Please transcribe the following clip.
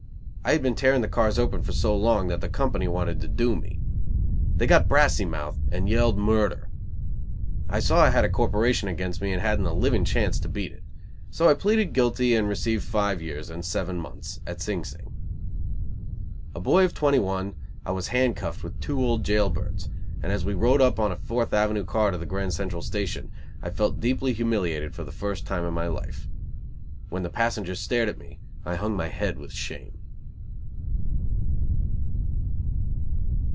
I had been tearing the cars open for so long that the company wanted to "do" me. They got brassy mouthed and yelled murder. I saw I had a corporation against me and hadn't a living chance to beat it. So I pleaded guilty and received five years and seven months at Sing Sing. A boy of twenty one, I was hand cuffed with two old jail birds, and as we rode up on a Fourth Avenue car to the Grand Central Station, I felt deeply humiliated for the first time in my life. When the passengers stared at me I hung my head with shame.